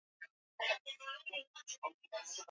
Leo sasa serkali wetu asha kuya roho nguvu na mambo ya mpango